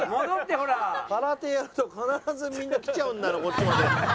空手やると必ずみんな来ちゃうんだなこっちまで。